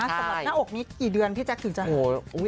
สำหรับหน้าอกนี้กี่เดือนพี่แจ๊คถึงจะ